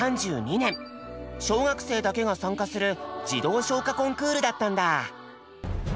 小学生だけが参加する「児童唱歌コンクール」だったんだ。